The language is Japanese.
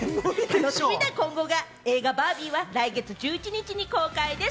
映画『バービー』は来月１１日に公開です。